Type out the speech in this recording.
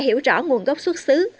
và hiểu rõ nguồn gốc xuất xứ